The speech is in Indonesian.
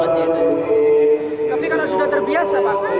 tapi kalau sudah terbiasa